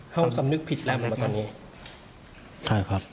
เขาสำนึกผิดแล้วไหมตอนนี้ใช่ครับ